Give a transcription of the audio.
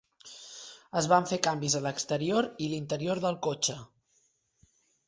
Es van fer canvis a l'exterior i l'interior del cotxe.